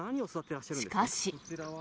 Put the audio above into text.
しかし。